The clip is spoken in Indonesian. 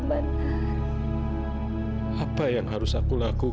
kamila kamu harus berhenti